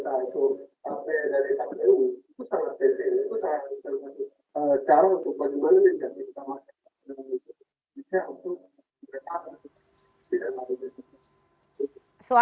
dan berkesan juga